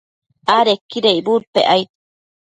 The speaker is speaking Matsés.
adequida icbudpec aid